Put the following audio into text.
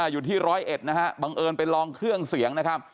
อยู่ที่๑๐๑บังเอิญไปลองเครื่องเสียงนะครับ